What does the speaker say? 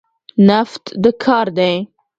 نفت د کار دی.